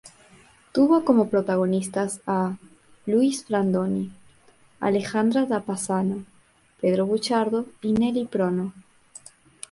Tuvo como protagonistas a Luis Brandoni, Alejandra Da Passano, Pedro Buchardo y Nelly Prono.